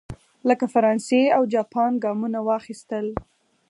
لکه فرانسه او جاپان ګامونه واخیستل.